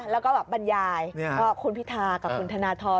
แล้วก็แบบบรรยายคุณพิธากับคุณธนทร